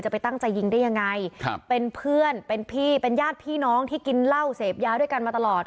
ไปตั้งใจยิงได้ยังไงครับเป็นเพื่อนเป็นพี่เป็นญาติพี่น้องที่กินเหล้าเสพยาด้วยกันมาตลอด